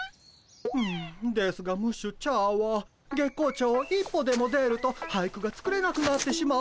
うんですがムッシュチャーは月光町を一歩でも出ると俳句が作れなくなってしまうのです。